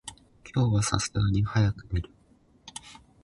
今日は流石に早く帰る。